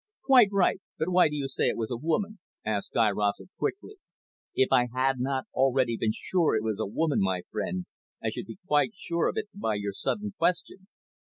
"Quite right. But why do you say it was a woman?" asked Guy Rossett quickly. "If I had not already been sure it was a woman, my friend, I should be quite sure of it by your sudden question.